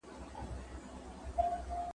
پر ما منت مکوئ خلکو